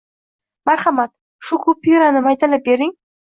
Marhamat, shu kupyurani maydalab bering.